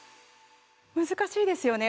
難しいですよね